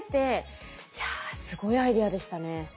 いやすごいアイデアでしたね。